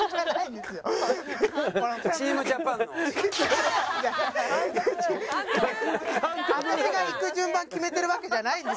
私が行く順番決めてるわけじゃないんですよ。